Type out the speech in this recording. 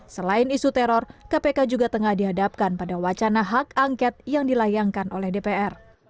selain isu teror kpk juga tengah dihadapkan pada wacana hak angket yang dilayangkan oleh dpr